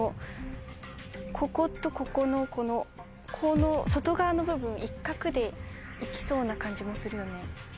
こことここのこの外側の部分１画で行きそうな感じもするよね。